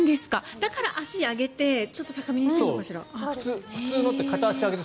だから足上げてちょっと高めにしているのかしら？